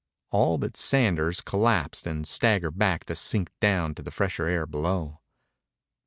All but Sanders collapsed and staggered back to sink down to the fresher air below.